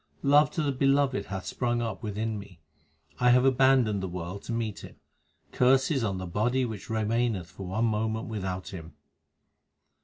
Love to the Beloved hath sprung up within me : I have abandoned the world to meet Him : curses on the body which remaineth for one moment without Him